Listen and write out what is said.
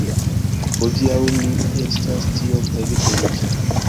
Hodiaŭ mi estas tiom ege feliĉa